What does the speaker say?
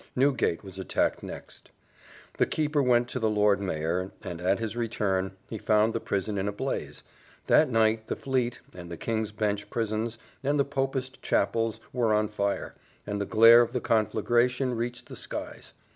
Newgate was attacked next; the keeper went to the Lord Mayor, and, at his return, he found the prison in a blaze; that night the Fleet, and the King's Bench prisons, and the popish chapels, were on fire, and the glare of the conflagration reached the skies.